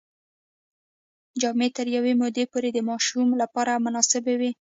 جامې تر یوې مودې پورې د ماشوم لپاره مناسبې وي.